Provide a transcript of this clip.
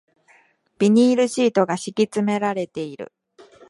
ビニールシートが敷き詰められている